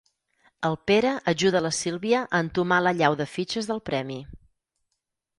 El Pere ajuda la Sílvia a entomar l'allau de fitxes del premi.